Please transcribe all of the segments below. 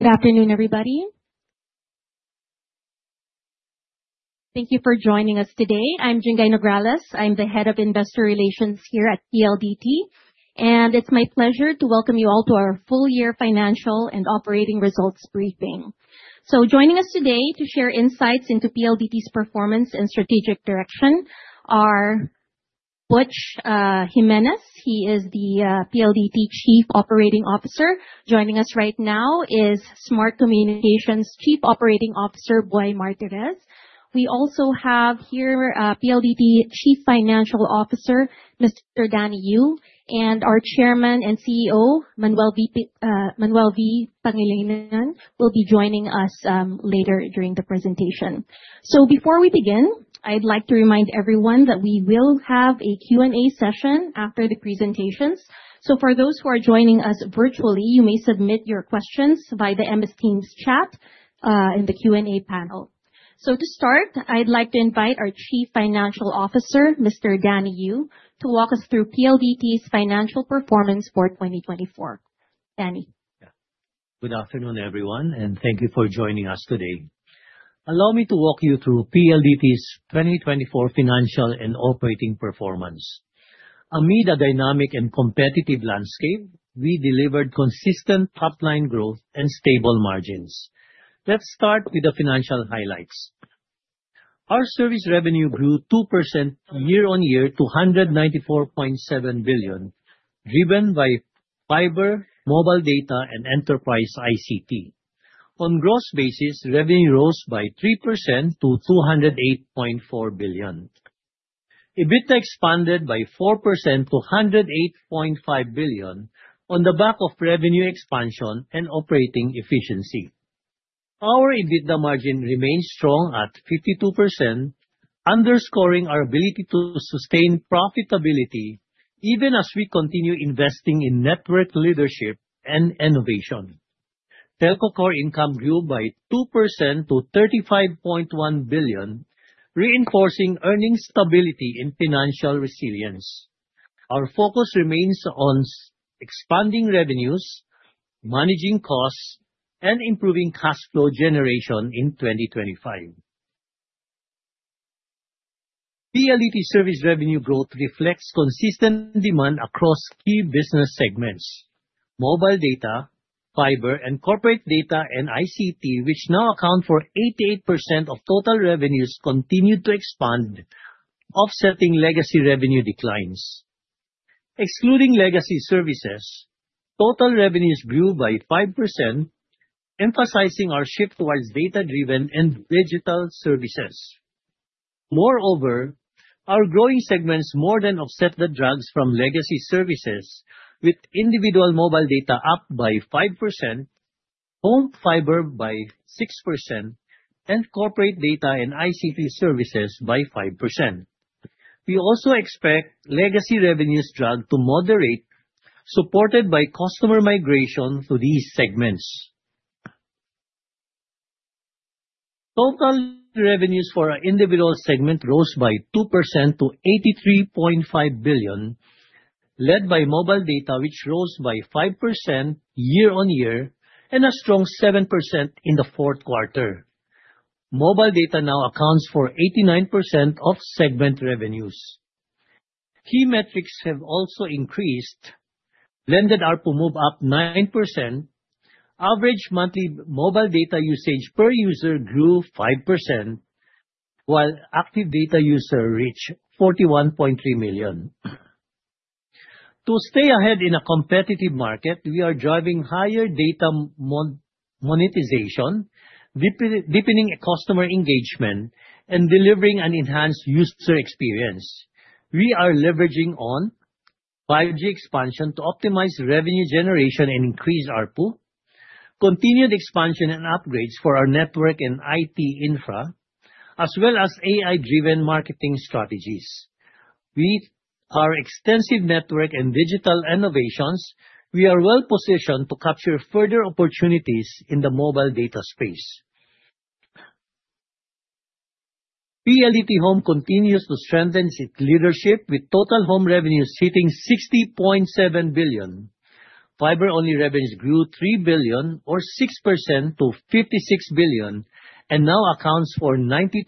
Good afternoon, everybody. Thank you for joining us today. I'm Jinggay Nograles. I'm the Head of Investor Relations here at PLDT, and it's my pleasure to welcome you all to our full-year financial and operating results briefing. Joining us today to share insights into PLDT's performance and strategic direction are Butch Jimenez. He is the PLDT Chief Operating Officer. Joining us right now is Smart Communications Chief Operating Officer, Boy Martirez. We also have here PLDT Chief Financial Officer, Mr. Danny Yu, and our Chairman and CEO, Manuel V. Pangilinan, will be joining us later during the presentation. Before we begin, I'd like to remind everyone that we will have a Q&A session after the presentations. For those who are joining us virtually, you may submit your questions via the MS Teams chat in the Q&A panel. To start, I'd like to invite our Chief Financial Officer, Mr. Danny Yu, to walk us through PLDT's financial performance for 2024. Danny. Good afternoon, everyone, and thank you for joining us today. Allow me to walk you through PLDT's 2024 financial and operating performance. Amid a dynamic and competitive landscape, we delivered consistent top-line growth and stable margins. Let's start with the financial highlights. Our service revenue grew 2% year-on-year to 194.7 billion, driven by fiber, mobile data, and enterprise ICT. On a gross basis, revenue rose by 3% to 208.4 billion. EBITDA expanded by 4% to 108.5 billion on the back of revenue expansion and operating efficiency. Our EBITDA margin remained strong at 52%, underscoring our ability to sustain profitability even as we continue investing in network leadership and innovation. Telco core income grew by 2% to 35.1 billion, reinforcing earnings stability and financial resilience. Our focus remains on expanding revenues, managing costs, and improving cash flow generation in 2025. PLDT's service revenue growth reflects consistent demand across key business segments: mobile data, fiber, and corporate data and ICT, which now account for 88% of total revenues, continued to expand, offsetting legacy revenue declines. Excluding legacy services, total revenues grew by 5%, emphasizing our shift towards data-driven and digital services. Moreover, our growing segments more than offset the drags from legacy services, with individual mobile data up by 5%, home fiber by 6%, and corporate data and ICT services by 5%. We also expect legacy revenues' drag to moderate, supported by customer migration to these segments. Total revenues for individual segments rose by 2% to 83.5 billion, led by mobile data, which rose by 5% year-on-year and a strong 7% in the fourth quarter. Mobile data now accounts for 89% of segment revenues. Key metrics have also increased: blended RPU move up 9%, average monthly mobile data usage per user grew 5%, while active data user reached 41.3 million. To stay ahead in a competitive market, we are driving higher data monetization, deepening customer engagement, and delivering an enhanced user experience. We are leveraging on 5G expansion to optimize revenue generation and increase RPU, continued expansion and upgrades for our network and IT infra, as well as AI-driven marketing strategies. With our extensive network and digital innovations, we are well-positioned to capture further opportunities in the mobile data space. PLDT Home continues to strengthen its leadership, with total home revenues hitting 60.7 billion. Fiber-only revenues grew 3 billion, or 6% to 56 billion, and now accounts for 92%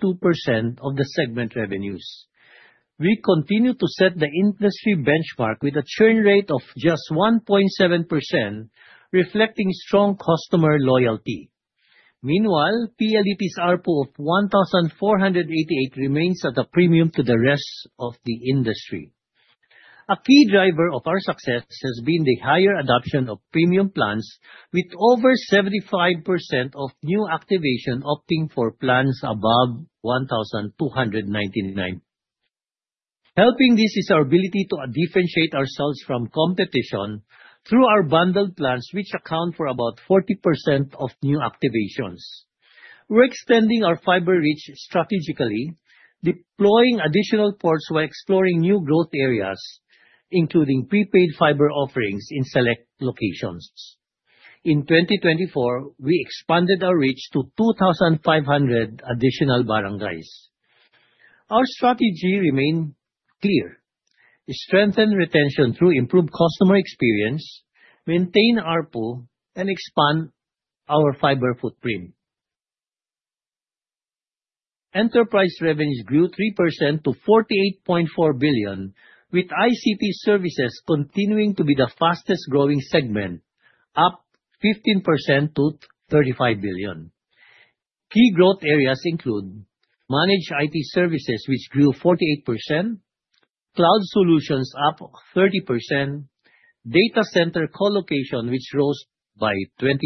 of the segment revenues. We continue to set the industry benchmark with a churn rate of just 1.7%, reflecting strong customer loyalty. Meanwhile, PLDT's RPU of 1,488 remains at a premium to the rest of the industry. A key driver of our success has been the higher adoption of premium plans, with over 75% of new activations opting for plans above 1,299. Helping this is our ability to differentiate ourselves from competition through our bundled plans, which account for about 40% of new activations. We're extending our fiber reach strategically, deploying additional ports while exploring new growth areas, including prepaid fiber offerings in select locations. In 2024, we expanded our reach to 2,500 additional barangays. Our strategy remained clear: strengthen retention through improved customer experience, maintain RPU, and expand our fiber footprint. Enterprise revenues grew 3% to 48.4 billion, with ICT services continuing to be the fastest-growing segment, up 15% to 35 billion. Key growth areas include managed IT services, which grew 48%, cloud solutions up 30%, and data center colocation, which rose by 22%.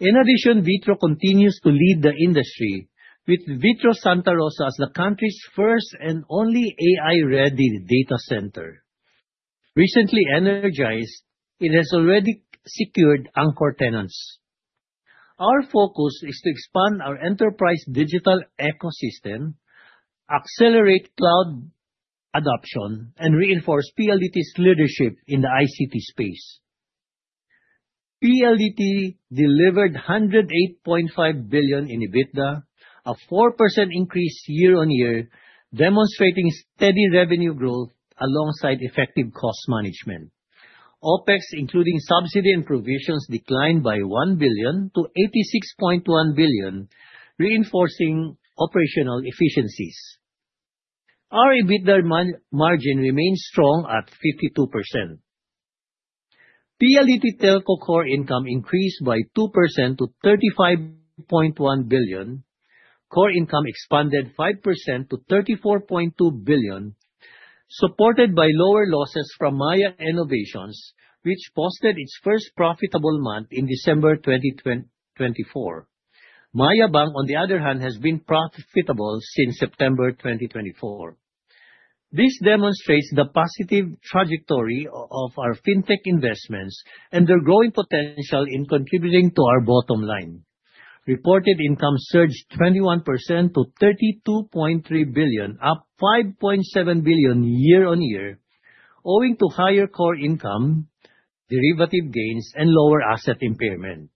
In addition, Vitro continues to lead the industry, with Vitro Santa Rosa as the country's first and only AI-ready data center. Recently energized, it has already secured anchor tenants. Our focus is to expand our enterprise digital ecosystem, accelerate cloud adoption, and reinforce PLDT's leadership in the ICT space. PLDT delivered 108.5 billion in EBITDA, a 4% increase year-on-year, demonstrating steady revenue growth alongside effective cost management. OPEX, including subsidy and provisions, declined by 1 billion to 86.1 billion, reinforcing operational efficiencies. Our EBITDA margin remains strong at 52%. PLDT Telco core income increased by 2% to 35.1 billion. Core income expanded 5% to 34.2 billion, supported by lower losses from Maya Innovations, which posted its first profitable month in December 2024. Maya Bank, on the other hand, has been profitable since September 2024. This demonstrates the positive trajectory of our fintech investments and their growing potential in contributing to our bottom line. Reported income surged 21% to 32.3 billion, up 5.7 billion year-on-year, owing to higher core income, derivative gains, and lower asset impairment.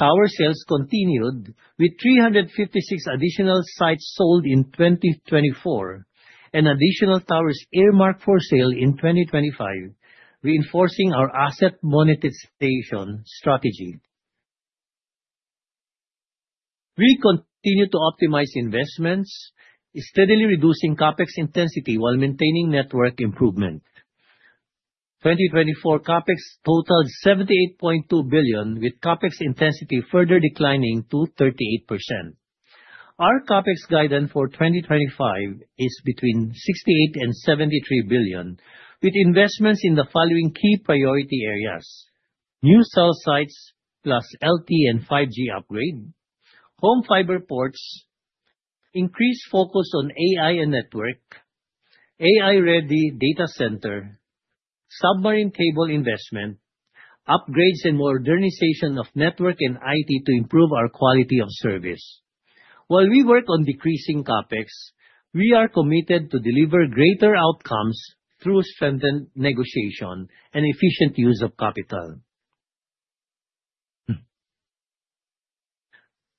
Tower sales continued, with 356 additional sites sold in 2024 and additional towers earmarked for sale in 2025, reinforcing our asset monetization strategy. We continue to optimize investments, steadily reducing CAPEX intensity while maintaining network improvement. 2024 CAPEX totaled 78.2 billion, with CAPEX intensity further declining to 38%. Our CapEx guidance for 2025 is between 68 billion and 73 billion, with investments in the following key priority areas: new cell sites plus LTE and 5G upgrade, home fiber ports, increased focus on AI and network, AI-ready data center, submarine cable investment, upgrades, and modernization of network and IT to improve our quality of service. While we work on decreasing CapEx, we are committed to deliver greater outcomes through strengthened negotiation and efficient use of capital.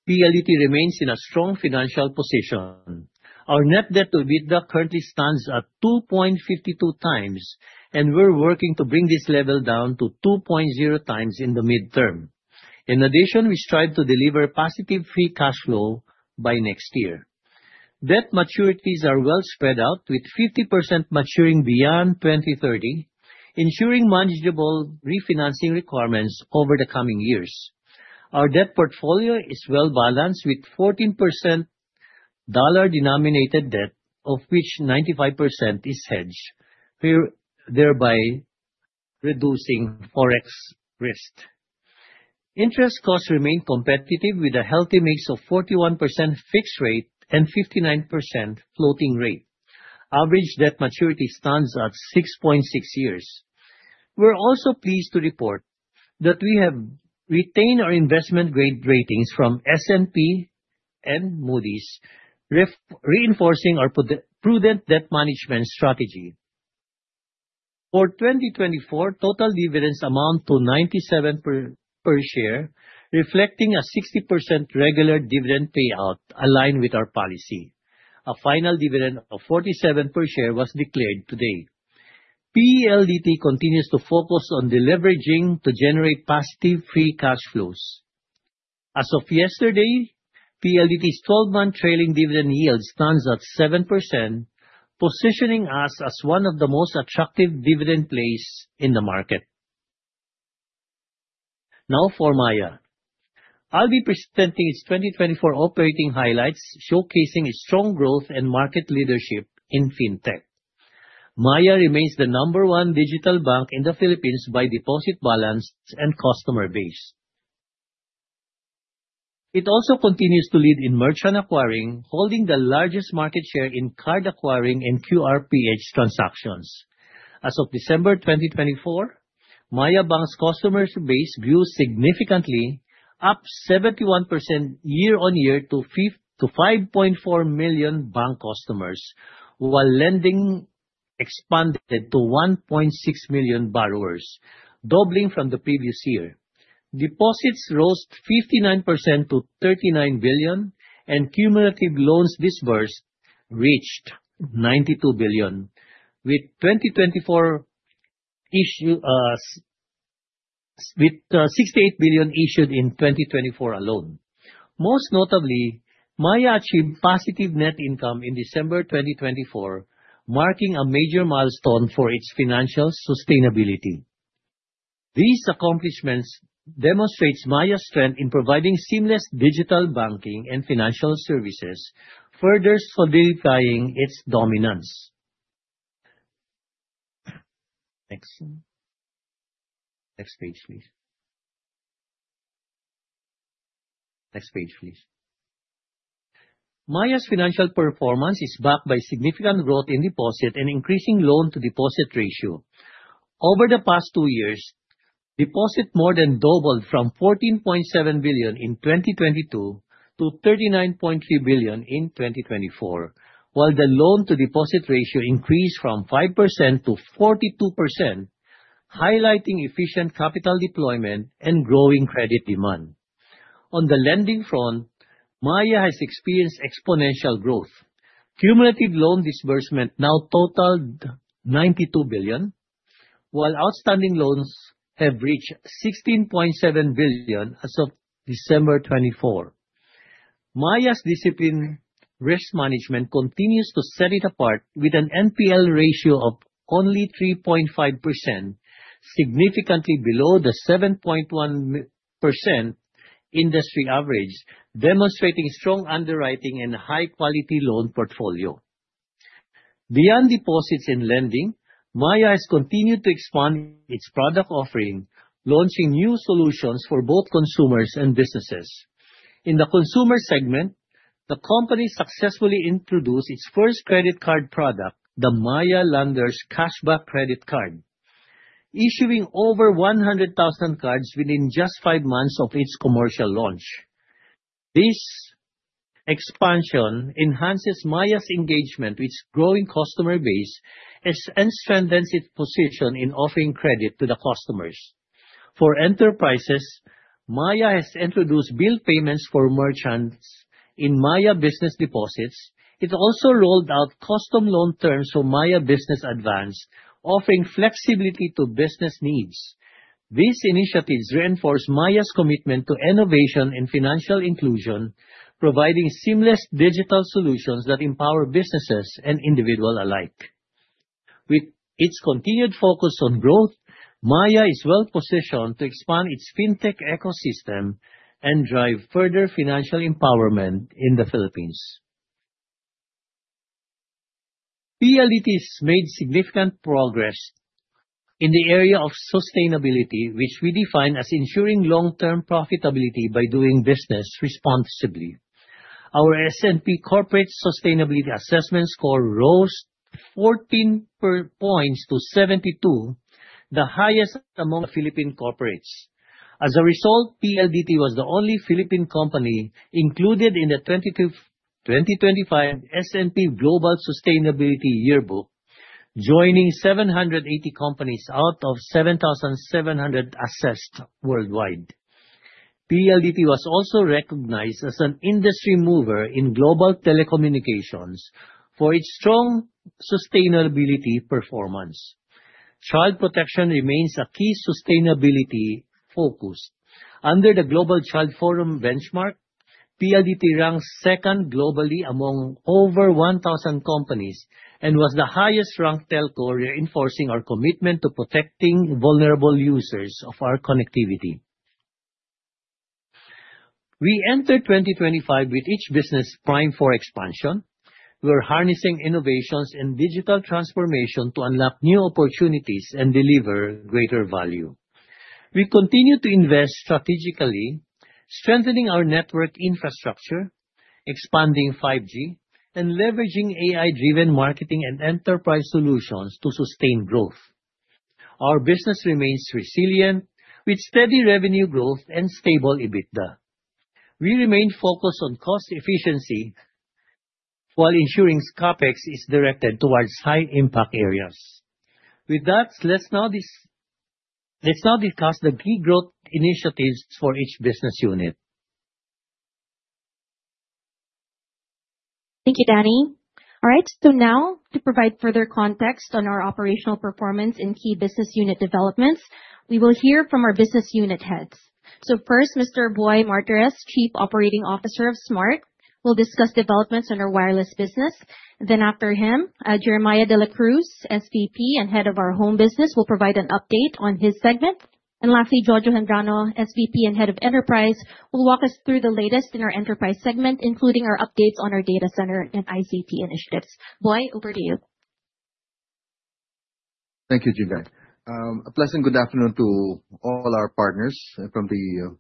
PLDT remains in a strong financial position. Our net debt to EBITDA currently stands at 2.52 times, and we're working to bring this level down to 2.0 times in the midterm. In addition, we strive to deliver positive free cash flow by next year. Debt maturities are well spread out, with 50% maturing beyond 2030, ensuring manageable refinancing requirements over the coming years. Our debt portfolio is well balanced, with 14% dollar-denominated debt, of which 95% is hedged, thereby reducing forex risk. Interest costs remain competitive, with a healthy mix of 41% fixed rate and 59% floating rate. Average debt maturity stands at 6.6 years. We're also pleased to report that we have retained our investment-grade ratings from S&P and Moody's, reinforcing our prudent debt management strategy. For 2024, total dividends amount to 97 per share, reflecting a 60% regular dividend payout aligned with our policy. A final dividend of 47 per share was declared today. PLDT continues to focus on deleveraging to generate positive free cash flows. As of yesterday, PLDT's 12-month trailing dividend yield stands at 7%, positioning us as one of the most attractive dividend plays in the market. Now for Maya. I'll be presenting its 2024 operating highlights, showcasing its strong growth and market leadership in fintech. Maya remains the number one digital bank in the Philippines by deposit balance and customer base. It also continues to lead in merchant acquiring, holding the largest market share in card acquiring and QRPH transactions. As of December 2024, Maya Bank's customer base grew significantly, up 71% year-on-year to 5.4 million bank customers, while lending expanded to 1.6 million borrowers, doubling from the previous year. Deposits rose 59% to 39 billion, and cumulative loans disbursed reached 92 billion, with 68 billion issued in 2024 alone. Most notably, Maya achieved positive net income in December 2024, marking a major milestone for its financial sustainability. These accomplishments demonstrate Maya's strength in providing seamless digital banking and financial services, further solidifying its dominance. Next. Next page, please. Next page, please. Maya's financial performance is backed by significant growth in deposit and increasing loan-to-deposit ratio. Over the past two years, deposits more than doubled from 14.7 billion in 2022 to 39.3 billion in 2024, while the loan-to-deposit ratio increased from 5% to 42%, highlighting efficient capital deployment and growing credit demand. On the lending front, Maya has experienced exponential growth. Cumulative loan disbursement now totaled 92 billion, while outstanding loans have reached 16.7 billion as of December 24. Maya's disciplined risk management continues to set it apart, with an NPL ratio of only 3.5%, significantly below the 7.1% industry average, demonstrating strong underwriting and a high-quality loan portfolio. Beyond deposits and lending, Maya has continued to expand its product offering, launching new solutions for both consumers and businesses. In the consumer segment, the company successfully introduced its first credit card product, the Maya Landers Cashback Credit Card, issuing over 100,000 cards within just five months of its commercial launch. This expansion enhances Maya's engagement with its growing customer base and strengthens its position in offering credit to the customers. For enterprises, Maya has introduced bill payments for merchants in Maya Business Deposits. It also rolled out custom loan terms for Maya Business Advance, offering flexibility to business needs. These initiatives reinforce Maya's commitment to innovation and financial inclusion, providing seamless digital solutions that empower businesses and individuals alike. With its continued focus on growth, Maya is well-positioned to expand its fintech ecosystem and drive further financial empowerment in the Philippines. PLDT has made significant progress in the area of sustainability, which we define as ensuring long-term profitability by doing business responsibly. Our S&P Corporate Sustainability Assessment score rose 14 points to 72, the highest among Philippine corporates. As a result, PLDT was the only Philippine company included in the 2025 S&P Global Sustainability Yearbook, joining 780 companies out of 7,700 assessed worldwide. PLDT was also recognized as an industry mover in global telecommunications for its strong sustainability performance. Child protection remains a key sustainability focus. Under the Global Child Forum benchmark, PLDT ranks second globally among over 1,000 companies and was the highest-ranked telco, reinforcing our commitment to protecting vulnerable users of our connectivity. We enter 2025 with each business primed for expansion. We're harnessing innovations and digital transformation to unlock new opportunities and deliver greater value. We continue to invest strategically, strengthening our network infrastructure, expanding 5G, and leveraging AI-driven marketing and enterprise solutions to sustain growth. Our business remains resilient, with steady revenue growth and stable EBITDA. We remain focused on cost efficiency while ensuring CAPEX is directed towards high-impact areas. With that, let's now discuss the key growth initiatives for each business unit. Thank you, Danny. All right, so now to provide further context on our operational performance and key business unit developments, we will hear from our business unit heads. So first, Mr. Boy Martirez, Chief Operating Officer of Smart, will discuss developments on our wireless business. Then after him, Jeremiah de la Cruz, SVP and Head of our home business, will provide an update on his segment. And lastly, Jojo Gendrano, SVP and Head of enterprise, will walk us through the latest in our enterprise segment, including our updates on our data center and ICT initiatives. Boy, over to you. Thank you, Jeremiah. A pleasant good afternoon to all our partners from the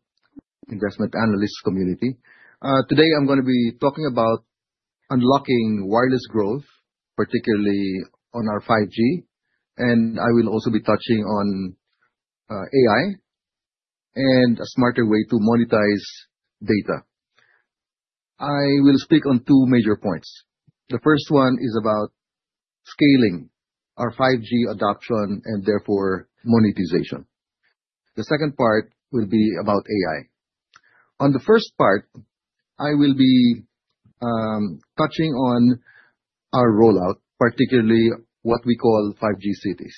investment analyst community. Today, I'm going to be talking about unlocking wireless growth, particularly on our 5G, and I will also be touching on AI and a smarter way to monetize data. I will speak on two major points. The first one is about scaling our 5G adoption and therefore monetization. The second part will be about AI. On the first part, I will be touching on our rollout, particularly what we call 5G cities,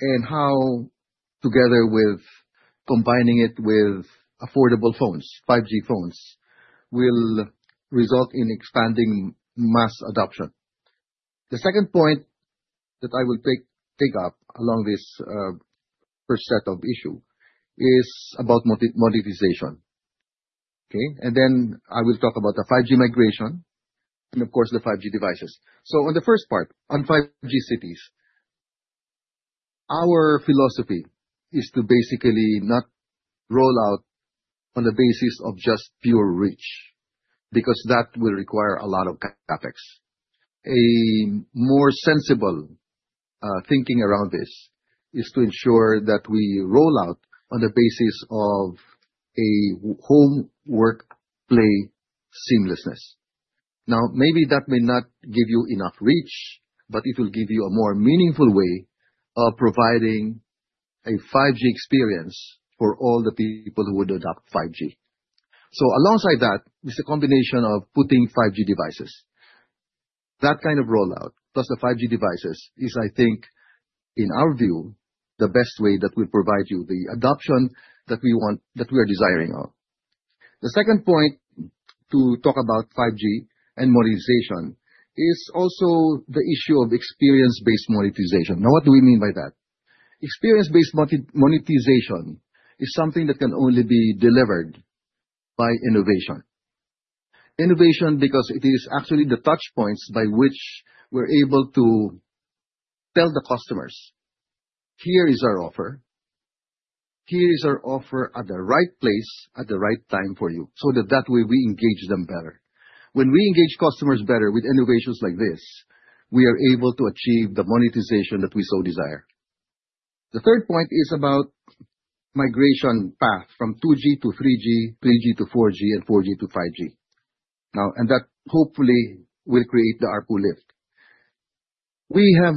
and how, together with combining it with affordable phones, 5G phones, will result in expanding mass adoption. The second point that I will pick up along this first set of issues is about monetization. Okay, and then I will talk about the 5G migration and, of course, the 5G devices. So on the first part, on 5G cities, our philosophy is to basically not roll out on the basis of just pure reach because that will require a lot of CAPEX. A more sensible thinking around this is to ensure that we roll out on the basis of a home workplace seamlessness. Now, maybe that may not give you enough reach, but it will give you a more meaningful way of providing a 5G experience for all the people who would adopt 5G. So alongside that, it's a combination of putting 5G devices. That kind of rollout, plus the 5G devices, is, I think, in our view, the best way that will provide you the adoption that we want, that we are desiring of. The second point to talk about 5G and monetization is also the issue of experience-based monetization. Now, what do we mean by that? Experience-based monetization is something that can only be delivered by innovation. Innovation because it is actually the touchpoints by which we're able to tell the customers, "Here is our offer. Here is our offer at the right place, at the right time for you," so that that way we engage them better. When we engage customers better with innovations like this, we are able to achieve the monetization that we so desire. The third point is about migration path from 2G to 3G, 3G to 4G, and 4G to 5G. Now, and that hopefully will create the ARPU lift. We have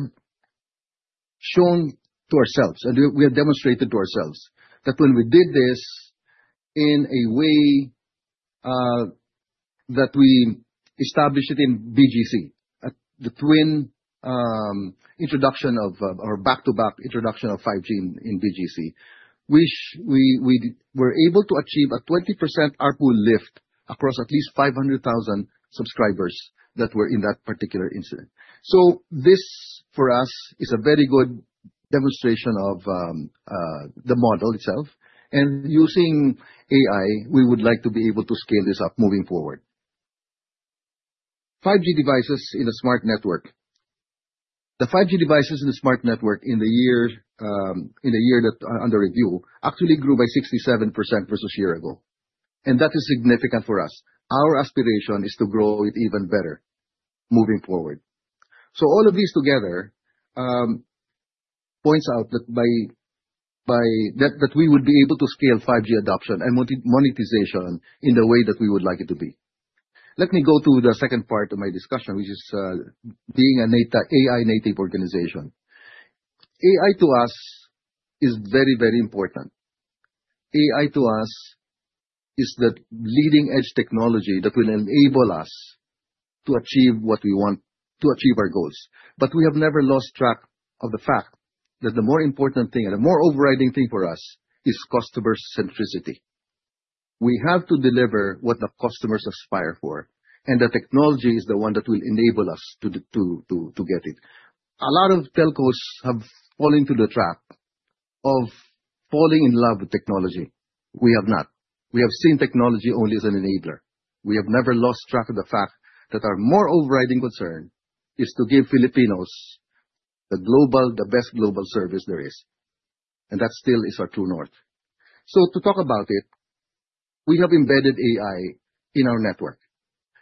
shown to ourselves, and we have demonstrated to ourselves that when we did this in a way that we established it in BGC, the twin introduction of our back-to-back introduction of 5G in BGC, which we were able to achieve a 20% ARPU lift across at least 500,000 subscribers that were in that particular incident. So this, for us, is a very good demonstration of the model itself. And using AI, we would like to be able to scale this up moving forward. 5G devices in a smart network. The 5G devices in a smart network in the year under review actually grew by 67% versus a year ago. And that is significant for us. Our aspiration is to grow it even better moving forward. So all of these together points out that we would be able to scale 5G adoption and monetization in the way that we would like it to be. Let me go to the second part of my discussion, which is being an AI-native organization. AI to us is very, very important. AI to us is that leading-edge technology that will enable us to achieve what we want, to achieve our goals. But we have never lost track of the fact that the more important thing and the more overriding thing for us is customer centricity. We have to deliver what the customers aspire for, and the technology is the one that will enable us to get it. A lot of telcos have fallen into the trap of falling in love with technology. We have not. We have seen technology only as an enabler. We have never lost track of the fact that our more overriding concern is to give Filipinos the best global service there is, and that still is our true north. To talk about it, we have embedded AI in our network.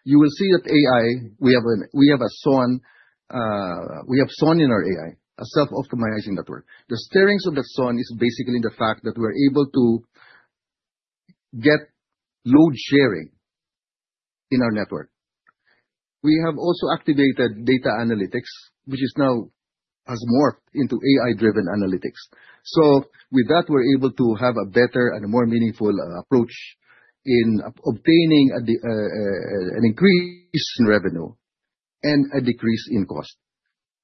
You will see that AI; we have a SON. We have SON in our AI, a self-optimizing network. The strength of the SON is basically the fact that we're able to get load sharing in our network. We have also activated data analytics, which has now morphed into AI-driven analytics. With that, we're able to have a better and a more meaningful approach in obtaining an increase in revenue and a decrease in cost.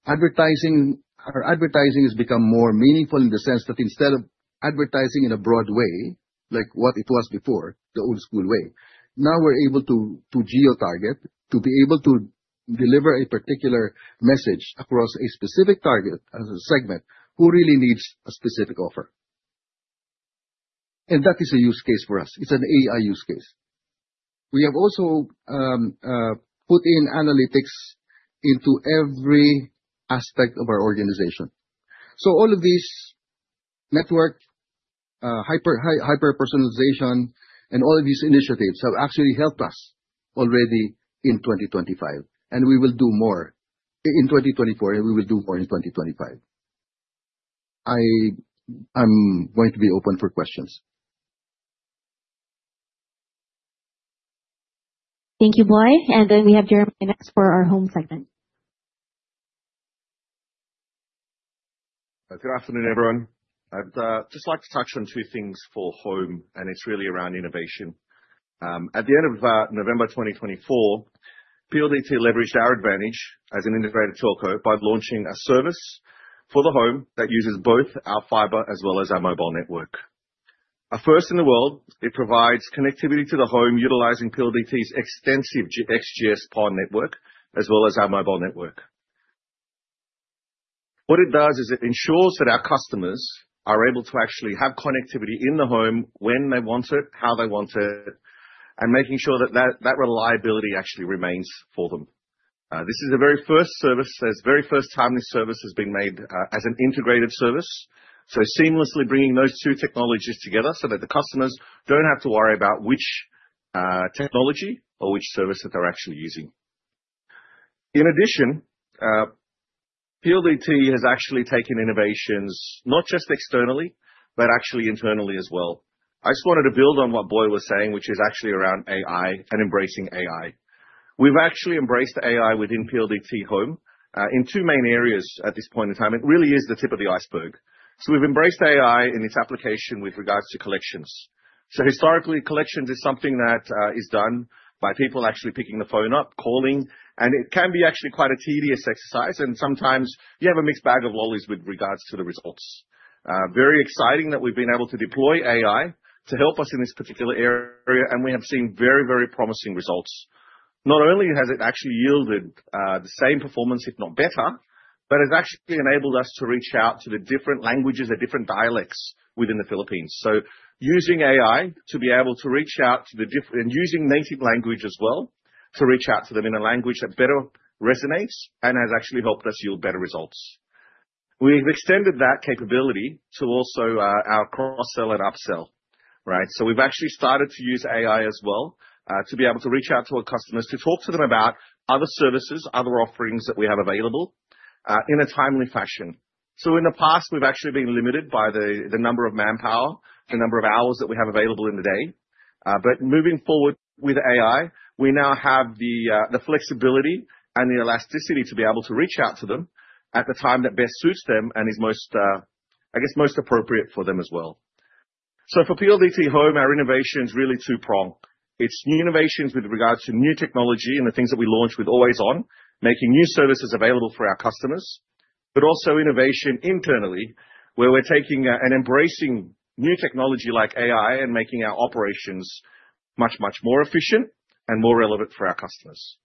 Our advertising has become more meaningful in the sense that instead of advertising in a broad way, like what it was before, the old school way, now we're able to geo-target, to be able to deliver a particular message across a specific target segment who really needs a specific offer. And that is a use case for us. It's an AI use case. We have also put in analytics into every aspect of our organization. So all of these network hyper-personalization and all of these initiatives have actually helped us already in 2025, and we will do more in 2024, and we will do more in 2025. I'm going to be open for questions. Thank you, Boy. And then we have Jeremiah next for our home segment. Good afternoon, everyone. I'd just like to touch on two things for home, and it's really around innovation. At the end of November 2024, PLDT leveraged our advantage as an integrated telco by launching a service for the home that uses both our fiber as well as our mobile network. First in the world, it provides connectivity to the home utilizing PLDT's extensive XGS-PON network as well as our mobile network. What it does is it ensures that our customers are able to actually have connectivity in the home when they want it, how they want it, and making sure that that reliability actually remains for them. This is the very first service. This very first timely service has been made as an integrated service, so seamlessly bringing those two technologies together so that the customers don't have to worry about which technology or which service that they're actually using. In addition, PLDT has actually taken innovations not just externally, but actually internally as well. I just wanted to build on what Boy was saying, which is actually around AI and embracing AI. We've actually embraced AI within PLDT Home in two main areas at this point in time. It really is the tip of the iceberg. So we've embraced AI in its application with regards to collections. So historically, collections is something that is done by people actually picking the phone up, calling, and it can be actually quite a tedious exercise, and sometimes you have a mixed bag of lollies with regards to the results. Very exciting that we've been able to deploy AI to help us in this particular area, and we have seen very, very promising results. Not only has it actually yielded the same performance, if not better, but has actually enabled us to reach out to the different languages, the different dialects within the Philippines. Using AI to be able to reach out to the different and using native language as well to reach out to them in a language that better resonates and has actually helped us yield better results. We've extended that capability to also our cross-sell and up-sell. Right? We've actually started to use AI as well to be able to reach out to our customers, to talk to them about other services, other offerings that we have available in a timely fashion. In the past, we've actually been limited by the number of manpower, the number of hours that we have available in the day. Moving forward with AI, we now have the flexibility and the elasticity to be able to reach out to them at the time that best suits them and is, I guess, most appropriate for them as well. So for PLDT Home, our innovation is really two-pronged. It's new innovations with regards to new technology and the things that we launch with always on, making new services available for our customers, but also innovation internally where we're taking and embracing new technology like AI and making our operations much, much more efficient and more relevant for our customers.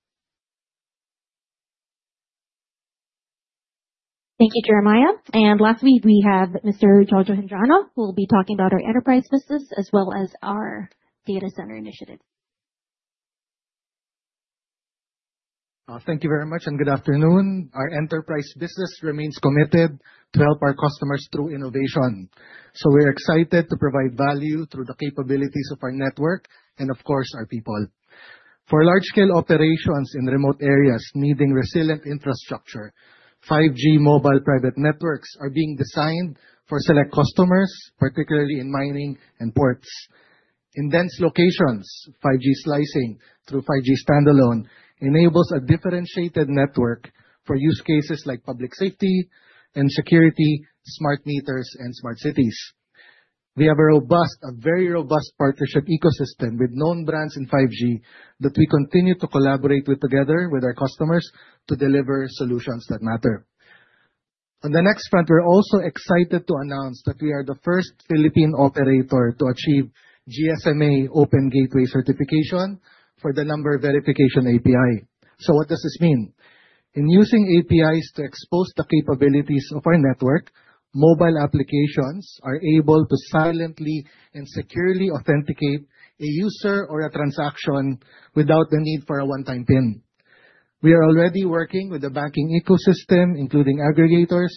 Thank you, Jeremiah, and lastly, we have Mr. Jojo Gendrano who will be talking about our enterprise business as well as our data center initiative. Thank you very much and good afternoon. Our enterprise business remains committed to help our customers through innovation. So we're excited to provide value through the capabilities of our network and, of course, our people. For large-scale operations in remote areas needing resilient infrastructure, 5G mobile private networks are being designed for select customers, particularly in mining and ports. In dense locations, 5G slicing through 5G standalone enables a differentiated network for use cases like public safety and security, smart meters, and smart cities. We have a robust, a very robust partnership ecosystem with known brands in 5G that we continue to collaborate with together with our customers to deliver solutions that matter. On the next front, we're also excited to announce that we are the first Philippine operator to achieve GSMA Open Gateway certification for the number verification API. So what does this mean? In using APIs to expose the capabilities of our network, mobile applications are able to silently and securely authenticate a user or a transaction without the need for a one-time PIN. We are already working with the banking ecosystem, including aggregators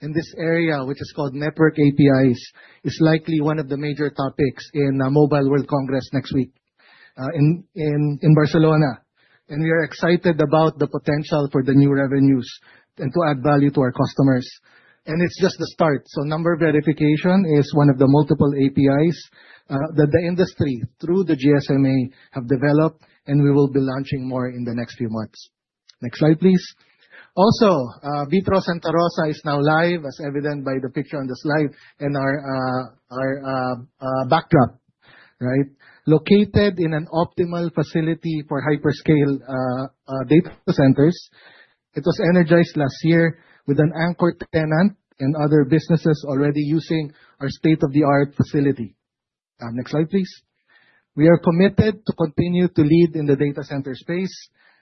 in this area, which is called network APIs, is likely one of the major topics in Mobile World Congress next week in Barcelona. And we are excited about the potential for the new revenues and to add value to our customers. And it's just the start. So number verification is one of the multiple APIs that the industry through the GSMA have developed, and we will be launching more in the next few months. Next slide, please. Also, Vitro Santa Rosa is now live, as evident by the picture on the slide and our backdrop, right? Located in an optimal facility for hyperscale data centers. It was energized last year with an anchor tenant and other businesses already using our state-of-the-art facility. Next slide, please. We are committed to continue to lead in the data center space,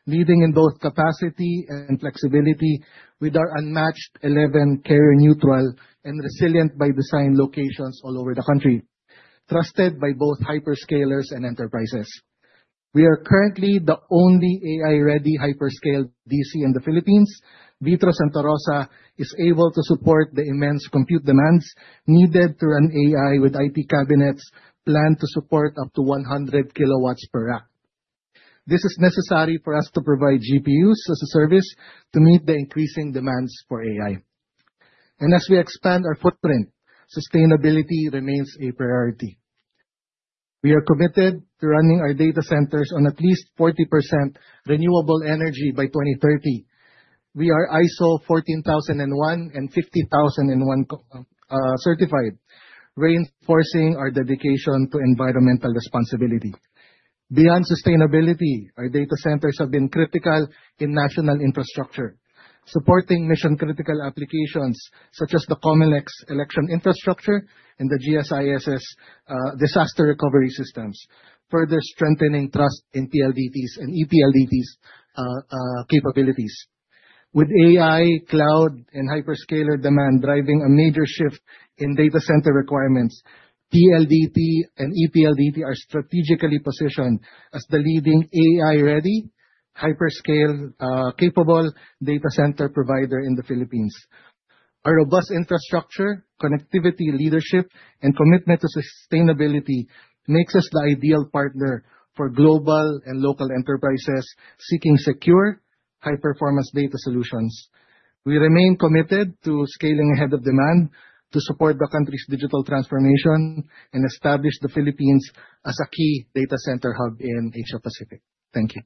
leading in both capacity and flexibility with our unmatched 11 carrier-neutral and resilient by design locations all over the country, trusted by both hyperscalers and enterprises. We are currently the only AI-ready hyperscale DC in the Philippines. Vitro Santa Rosa is able to support the immense compute demands needed to run AI with IP cabinets planned to support up to 100 kilowatts per rack. This is necessary for us to provide GPUs as a service to meet the increasing demands for AI. As we expand our footprint, sustainability remains a priority. We are committed to running our data centers on at least 40% renewable energy by 2030. We are ISO 14001 and 50001 certified, reinforcing our dedication to environmental responsibility. Beyond sustainability, our data centers have been critical in national infrastructure, supporting mission-critical applications such as the Comelec election infrastructure and the GSIS disaster recovery systems, further strengthening trust in PLDT's and ePLDT's capabilities. With AI, cloud, and hyperscaler demand driving a major shift in data center requirements, PLDT and ePLDT are strategically positioned as the leading AI-ready, hyperscale-capable data center provider in the Philippines. Our robust infrastructure, connectivity, leadership, and commitment to sustainability makes us the ideal partner for global and local enterprises seeking secure, high-performance data solutions. We remain committed to scaling ahead of demand to support the country's digital transformation and establish the Philippines as a key data center hub in Asia Pacific. Thank you.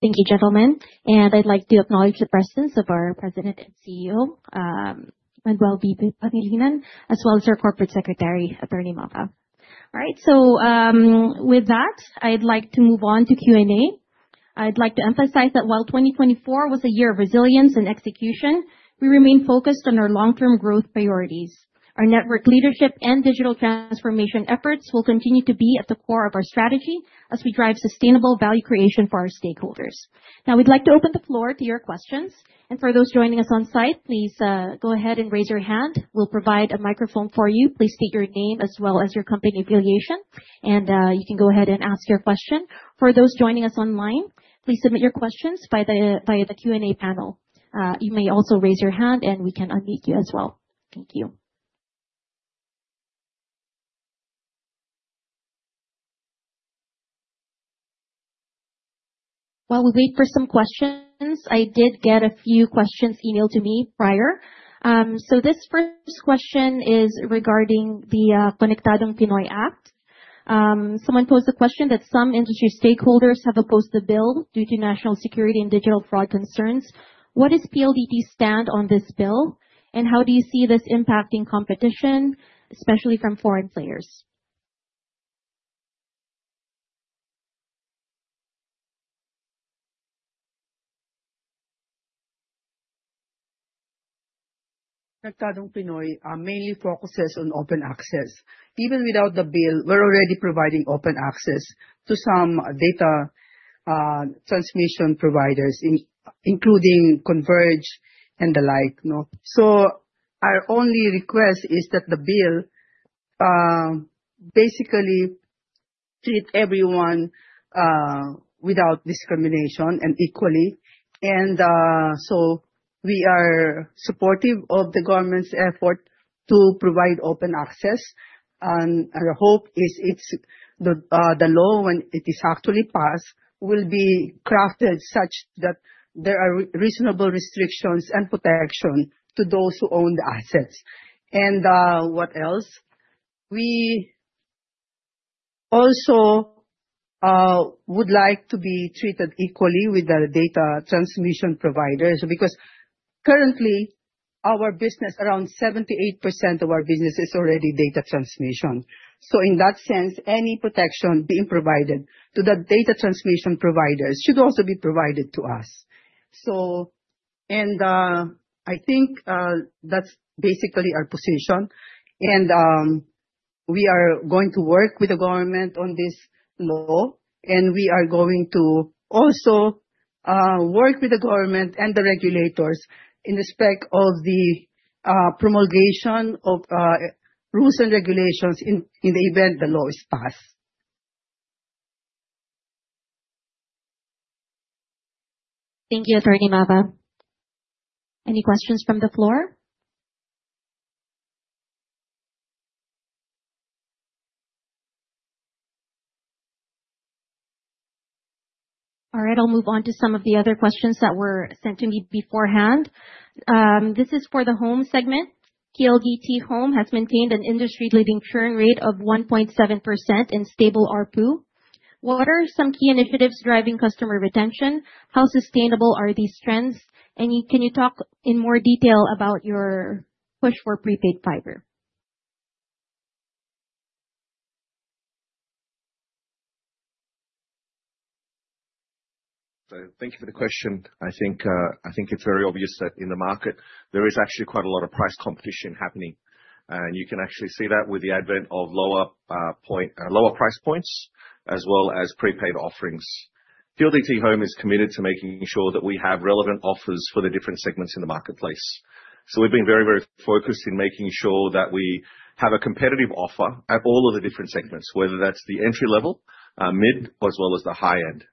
Thank you, gentlemen. And I'd like to acknowledge the presence of our President and CEO, Manuel V. Pangilinan, as well as our Corporate Secretary, Attorney Maca. All right. So with that, I'd like to move on to Q&A. I'd like to emphasize that while 2024 was a year of resilience and execution, we remain focused on our long-term growth priorities. Our network leadership and digital transformation efforts will continue to be at the core of our strategy as we drive sustainable value creation for our stakeholders. Now, we'd like to open the floor to your questions. And for those joining us on site, please go ahead and raise your hand. We'll provide a microphone for you. Please state your name as well as your company affiliation, and you can go ahead and ask your question. For those joining us online, please submit your questions via the Q&A panel. You may also raise your hand, and we can unmute you as well. Thank you. While we wait for some questions, I did get a few questions emailed to me prior. So this first question is regarding the Conectadong Pinoy Act. Someone posed the question that some industry stakeholders have opposed the bill due to national security and digital fraud concerns. What is PLDT's stand on this bill, and how do you see this impacting competition, especially from foreign players? Conectadong Pinoy mainly focuses on open access. Even without the bill, we're already providing open access to some data transmission providers, including Converge and the like, so our only request is that the bill basically treat everyone without discrimination and equally, and so we are supportive of the government's effort to provide open access, and our hope is the law, when it is actually passed, will be crafted such that there are reasonable restrictions and protection to those who own the assets. And what else? We also would like to be treated equally with the data transmission providers because currently, around 78% of our business is already data transmission, so in that sense, any protection being provided to the data transmission providers should also be provided to us. I think that's basically our position. We are going to work with the government on this law, and we are going to also work with the government and the regulators in respect of the promulgation of rules and regulations in the event the law is passed. Thank you, Attorney Maca. Any questions from the floor? All right. I'll move on to some of the other questions that were sent to me beforehand. This is for the home segment. PLDT Home has maintained an industry-leading churn rate of 1.7% in stable RPU. What are some key initiatives driving customer retention? How sustainable are these trends? And can you talk in more detail about your push for prepaid fiber? Thank you for the question. I think it's very obvious that in the market, there is actually quite a lot of price competition happening. You can actually see that with the advent of lower price points as well as prepaid offerings. PLDT Home is committed to making sure that we have relevant offers for the different segments in the marketplace. We've been very, very focused in making sure that we have a competitive offer at all of the different segments, whether that's the entry level, mid, as well as the high end.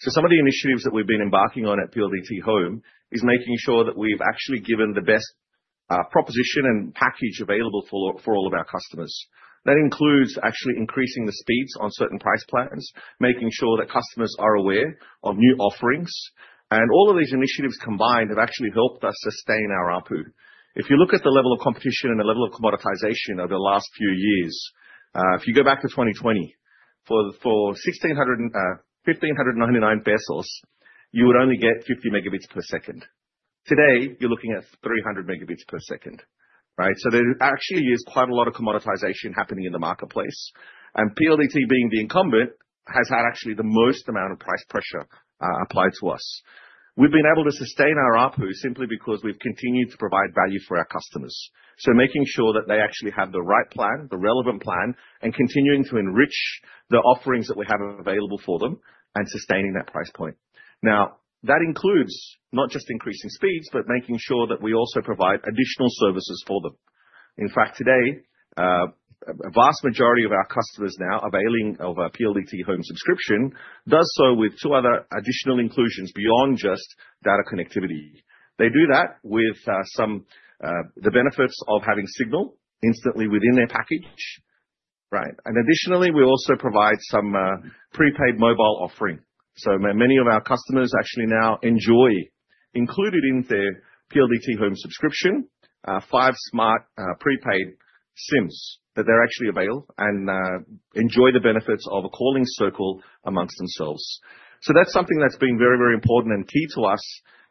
Some of the initiatives that we've been embarking on at PLDT Home is making sure that we've actually given the best proposition and package available for all of our customers. That includes actually increasing the speeds on certain price plans, making sure that customers are aware of new offerings. All of these initiatives combined have actually helped us sustain our RPU. If you look at the level of competition and the level of commoditization over the last few years, if you go back to 2020, for 1,599 pesos, you would only get 50 megabits per second. Today, you're looking at 300 megabits per second. Right? So there actually is quite a lot of commoditization happening in the marketplace. And PLDT, being the incumbent, has had actually the most amount of price pressure applied to us. We've been able to sustain our RPU simply because we've continued to provide value for our customers. So making sure that they actually have the right plan, the relevant plan, and continuing to enrich the offerings that we have available for them and sustaining that price point. Now, that includes not just increasing speeds, but making sure that we also provide additional services for them. In fact, today, a vast majority of our customers now availing of a PLDT Home subscription does so with two other additional inclusions beyond just data connectivity. They do that with the benefits of having Cignal instantly within their package. Right? And additionally, we also provide some prepaid mobile offering. So many of our customers actually now enjoy, included in their PLDT Home subscription, five Smart prepaid SIMs that they're actually available and enjoy the benefits of a calling circle amongst themselves. So that's something that's been very, very important and key to us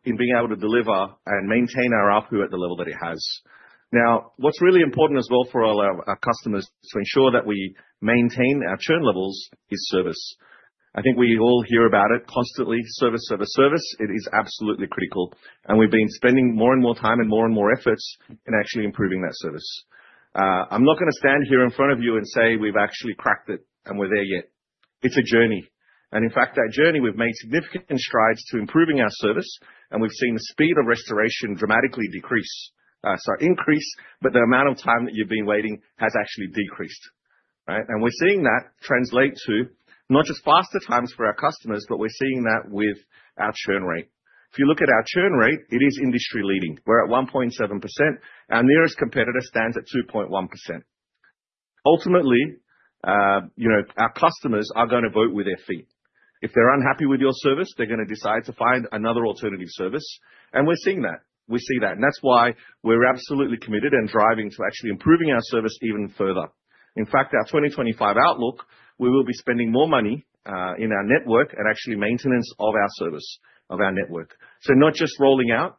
in being able to deliver and maintain our RPU at the level that it has. Now, what's really important as well for our customers to ensure that we maintain our churn levels is service. I think we all hear about it constantly: service, service, service. It is absolutely critical. We've been spending more and more time and more and more efforts in actually improving that service. I'm not going to stand here in front of you and say we've actually cracked it and we're there yet. It's a journey. In fact, that journey, we've made significant strides to improving our service, and we've seen the speed of restoration dramatically decrease. Sorry, increase, but the amount of time that you've been waiting has actually decreased. Right? We're seeing that translate to not just faster times for our customers, but we're seeing that with our churn rate. If you look at our churn rate, it is industry-leading. We're at 1.7%. Our nearest competitor stands at 2.1%. Ultimately, our customers are going to vote with their feet. If they're unhappy with your service, they're going to decide to find another alternative service. We're seeing that. We see that. That's why we're absolutely committed and driving to actually improving our service even further. In fact, our 2025 outlook, we will be spending more money in our network and actually maintenance of our service, of our network, so not just rolling out.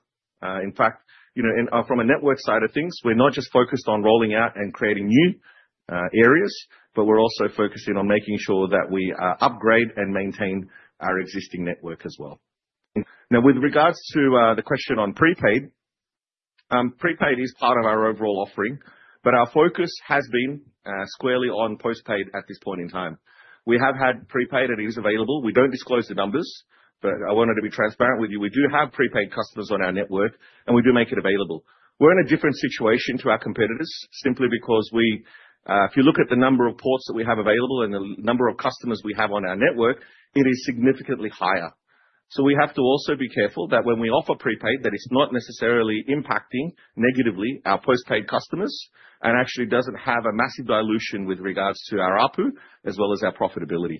In fact, from a network side of things, we're not just focused on rolling out and creating new areas, but we're also focusing on making sure that we upgrade and maintain our existing network as well. Now, with regards to the question on prepaid, prepaid is part of our overall offering, but our focus has been squarely on postpaid at this point in time. We have had prepaid, and it is available. We don't disclose the numbers, but I wanted to be transparent with you. We do have prepaid customers on our network, and we do make it available. We're in a different situation to our competitors simply because if you look at the number of ports that we have available and the number of customers we have on our network, it is significantly higher. So we have to also be careful that when we offer prepaid, that it's not necessarily impacting negatively our postpaid customers and actually doesn't have a massive dilution with regards to our RPU as well as our profitability.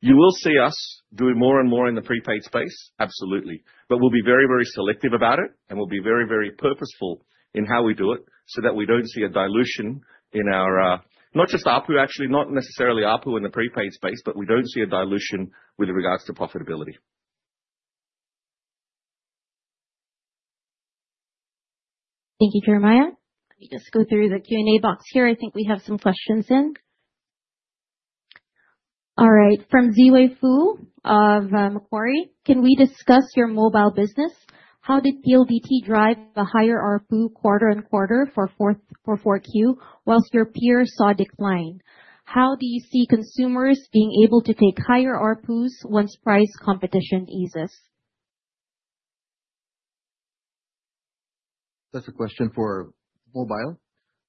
You will see us doing more and more in the prepaid space, absolutely. But we'll be very, very selective about it, and we'll be very, very purposeful in how we do it so that we don't see a dilution in our not just RPU, actually, not necessarily RPU in the prepaid space, but we don't see a dilution with regards to profitability. Thank you, Jeremiah. Let me just go through the Q&A box here. I think we have some questions in. All right. From Ziwei Fu of Macquarie, "Can we discuss your mobile business? How did PLDT drive a higher RPU quarter and quarter for 4Q whilst your peers saw decline? How do you see consumers being able to take higher RPUs once price competition eases?" That's a question for mobile.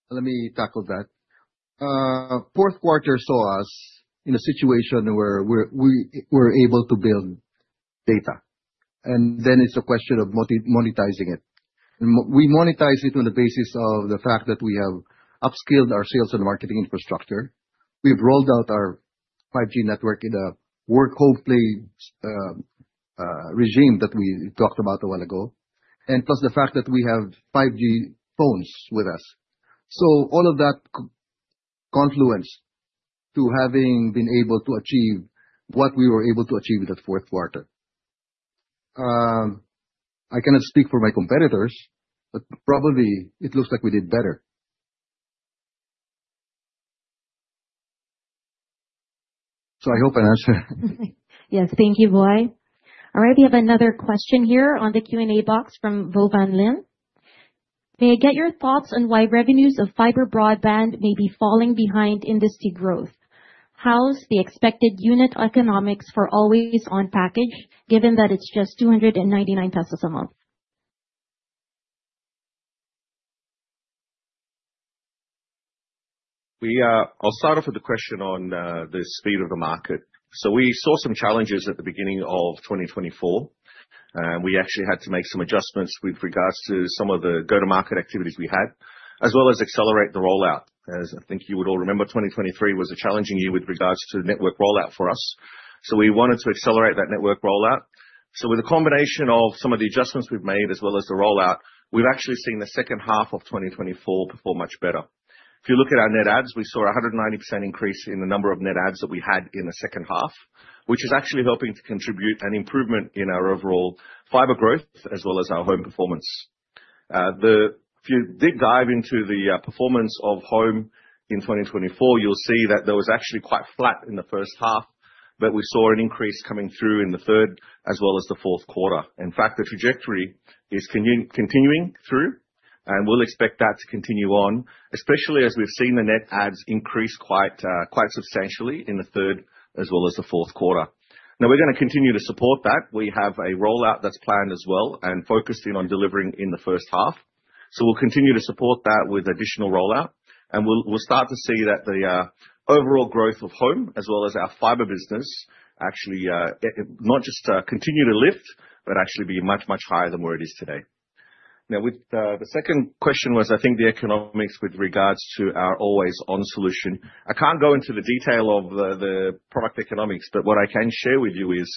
Let me tackle that. Fourth quarter saw us in a situation where we were able to build data. And then it's a question of monetizing it. We monetize it on the basis of the fact that we have upscaled our sales and marketing infrastructure. We've rolled out our 5G network in a work-home-play regime that we talked about a while ago, and plus the fact that we have 5G phones with us. So all of that confluence to having been able to achieve what we were able to achieve in the fourth quarter. I cannot speak for my competitors, but probably it looks like we did better. So I hope I answered. Yes. Thank you, Boy. All right. We have another question here on the Q&A box from Brian Lim. "May I get your thoughts on why revenues of fiber broadband may be falling behind industry growth? How's the expected unit economics for Always On package, given that it's just 299 pesos a month?" I'll start off with the question on the speed of the market. So we saw some challenges at the beginning of 2024. We actually had to make some adjustments with regards to some of the go-to-market activities we had, as well as accelerate the rollout. As I think you would all remember, 2023 was a challenging year with regards to the network rollout for us. So we wanted to accelerate that network rollout. So with a combination of some of the adjustments we've made, as well as the rollout, we've actually seen the second half of 2024 perform much better. If you look at our net ads, we saw a 190% increase in the number of net ads that we had in the second half, which is actually helping to contribute an improvement in our overall fiber growth, as well as our home performance. If you dig into the performance of home in 2024, you'll see that there was actually quite flat in the first half, but we saw an increase coming through in the third, as well as the fourth quarter. In fact, the trajectory is continuing through, and we'll expect that to continue on, especially as we've seen the net ads increase quite substantially in the third, as well as the fourth quarter. Now, we're going to continue to support that. We have a rollout that's planned as well and focusing on delivering in the first half. So we'll continue to support that with additional rollout. And we'll start to see that the overall growth of home, as well as our fiber business, actually not just continue to lift, but actually be much, much higher than where it is today. Now, with the second question was, I think the economics with regards to our Always On solution. I can't go into the detail of the product economics, but what I can share with you is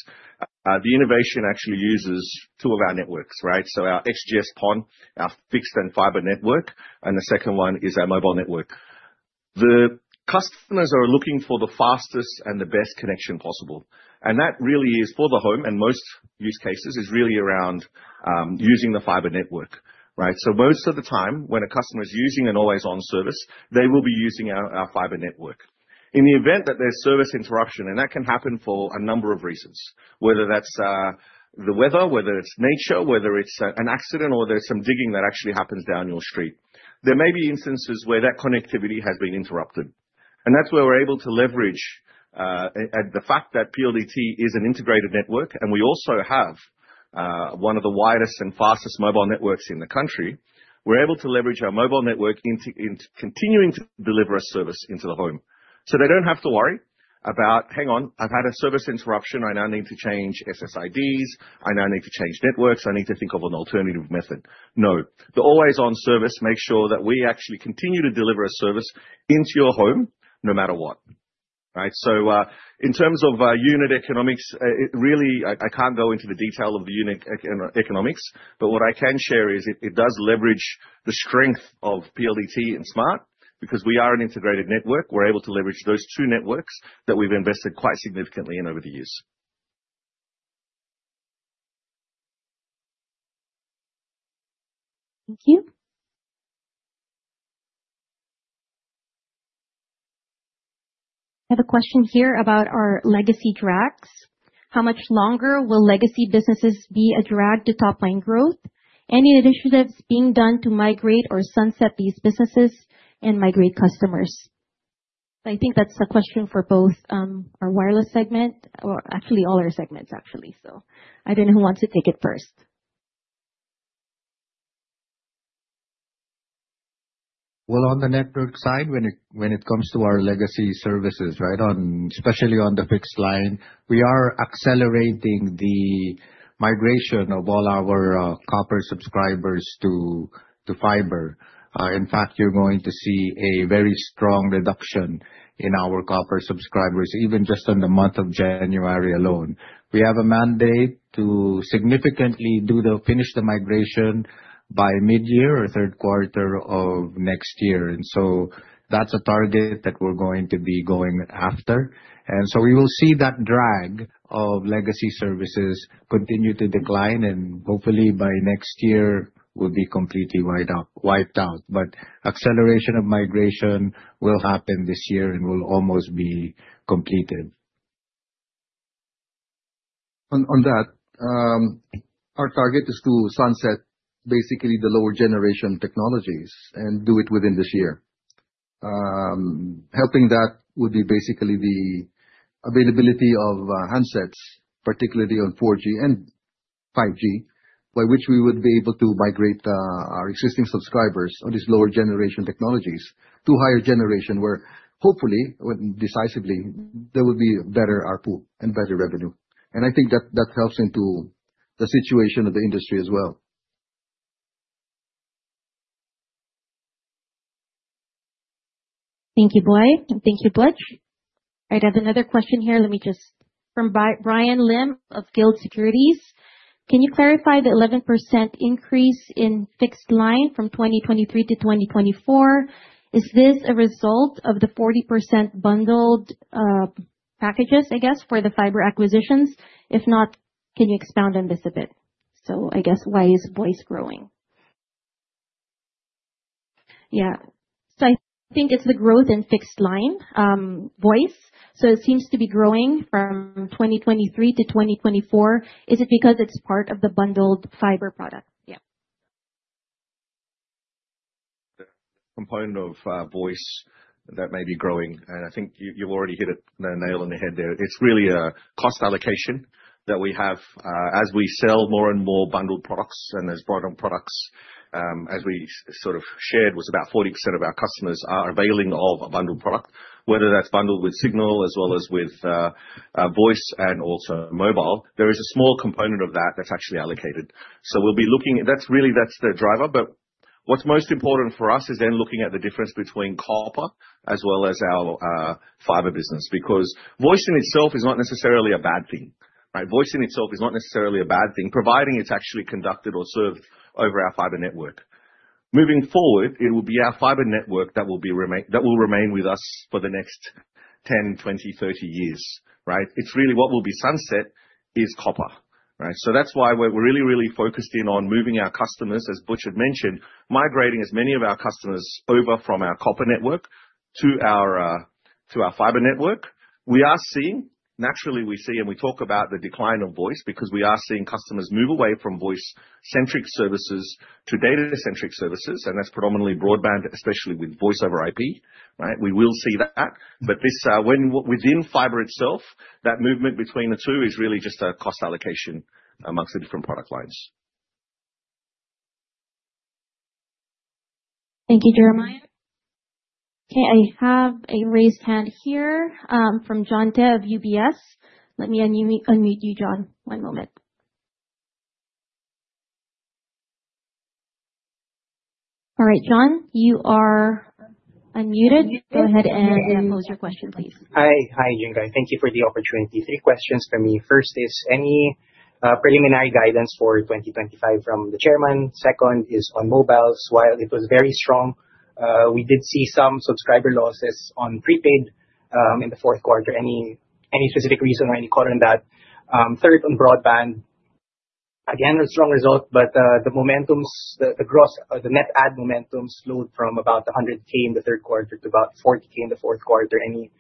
the innovation actually uses two of our networks, right? So our XGS-PON, our fixed and fiber network, and the second one is our mobile network. The customers are looking for the fastest and the best connection possible. And that really is, for the home and most use cases, is really around using the fiber network, right? So most of the time, when a customer is using an Always On service, they will be using our fiber network. In the event that there's service interruption, and that can happen for a number of reasons, whether that's the weather, whether it's nature, whether it's an accident, or there's some digging that actually happens down your street, there may be instances where that connectivity has been interrupted. And that's where we're able to leverage the fact that PLDT is an integrated network, and we also have one of the widest and fastest mobile networks in the country. We're able to leverage our mobile network in continuing to deliver a service into the home. So they don't have to worry about, "Hang on, I've had a service interruption. I now need to change SSIDs. I now need to change networks. I need to think of an alternative method." No. The Always On service makes sure that we actually continue to deliver a service into your home no matter what, right? So in terms of unit economics, really, I can't go into the detail of the unit economics, but what I can share is it does leverage the strength of PLDT and Smart because we are an integrated network. We're able to leverage those two networks that we've invested quite significantly in over the years. Thank you. We have a question here about our legacy drags. "How much longer will legacy businesses be a drag to top-line growth? Any initiatives being done to migrate or sunset these businesses and migrate customers?" I think that's a question for both our wireless segment, or actually all our segments, actually. I don't know who wants to take it first. Well, on the network side, when it comes to our legacy services, right, especially on the fixed line, we are accelerating the migration of all our copper subscribers to fiber. In fact, you're going to see a very strong reduction in our copper subscribers, even just in the month of January alone. We have a mandate to significantly finish the migration by mid-year or third quarter of next year. And so that's a target that we're going to be going after. And so we will see that drag of legacy services continue to decline, and hopefully, by next year, we'll be completely wiped out. But acceleration of migration will happen this year and will almost be completed. On that, our target is to sunset basically the lower-generation technologies and do it within this year. Helping that would be basically the availability of handsets, particularly on 4G and 5G, by which we would be able to migrate our existing subscribers on these lower-generation technologies to higher-generation, where hopefully, decisively, there will be better RPU and better revenue. And I think that that helps into the situation of the industry as well. Thank you, Boy. And thank you, Blums. All right. I have another question here. Let me just. From Brian Lim of Guild Securities. "Can you clarify the 11% increase in fixed line from 2023 to 2024? Is this a result of the 40% bundled packages, I guess, for the fiber acquisitions? If not, can you expound on this a bit?" So I guess, why is Boy's growing? Yeah. So I think it's the growth in fixed line, Boy's. So it seems to be growing from 2023 to 2024. Is it because it's part of the bundled fiber product? Yeah. The component of voice that may be growing. And I think you've already hit the nail in the head there. It's really a cost allocation that we have as we sell more and more bundled products. And as broadband products, as we sort of shared, was about 40% of our customers are availing of a bundled product, whether that's bundled with Signal as well as with voice and also mobile. There is a small component of that that's actually allocated. So we'll be looking at that's really that's the driver. But what's most important for us is then looking at the difference between copper as well as our fiber business because voicing itself is not necessarily a bad thing, right? Voicing itself is not necessarily a bad thing, providing it's actually conducted or served over our fiber network. Moving forward, it will be our fiber network that will remain with us for the next 10, 20, 30 years, right? It's really what will be sunset is copper, right? So that's why we're really, really focused in on moving our customers, as Butch had mentioned, migrating as many of our customers over from our copper network to our fiber network. We are seeing, naturally, we see, and we talk about the decline of voice because we are seeing customers move away from voice-centric services to data-centric services, and that's predominantly broadband, especially with Voice over IP, right? We will see that. But within fiber itself, that movement between the two is really just a cost allocation amongst the different product lines. Thank you, Jeremiah. Okay. I have a raised hand here from John De of UBS. Let me unmute you, John. One moment. All right, John, you are unmuted. Go ahead and pose your question, please. Hi, Jinggay. Thank you for the opportunity. Three questions for me. First is any preliminary guidance for 2025 from the chairman. Second is on mobile. While it was very strong, we did see some subscriber losses on prepaid in the fourth quarter. Any specific reason or any color on that? Third, on broadband, again, a strong result, but the momentum, the net add momentum slowed from about 100K in the third quarter to about 40K in the fourth quarter. Any